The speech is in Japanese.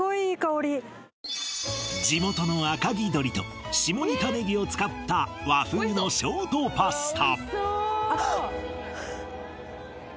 地元の赤城鶏と下仁田ねぎを使った和風のショートパスタ